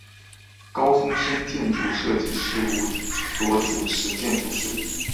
高松伸建筑设计事务所主持建筑师。